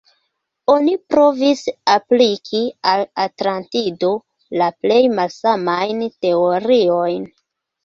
Oni provis apliki al Atlantido la plej malsamajn teoriojn.